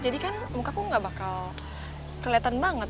jadi kan mukaku gak bakal kelihatan banget